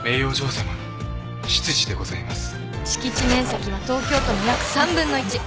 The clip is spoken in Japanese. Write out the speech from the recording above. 敷地面積は東京都の約３分の１。